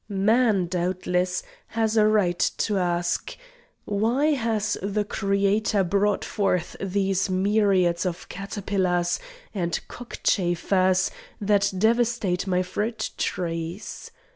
Man, doubtless, has a right to ask, "Why has the Creator brought forth these myriads of caterpillars and cockchafers that devastate my fruit trees?"